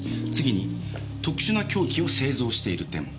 次に特殊な凶器を製造している点。